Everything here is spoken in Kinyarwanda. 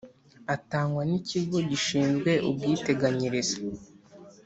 atangwa ni kigo gishinzwe ubwiteganyirize